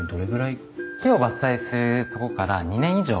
木を伐採するとこから２年以上。